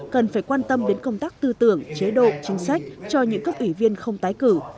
cần phải quan tâm đến công tác tư tưởng chế độ chính sách cho những cấp ủy viên không tái cử